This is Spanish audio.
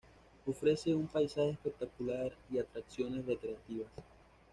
Ofrece un paisaje espectacular y atracciones recreativas.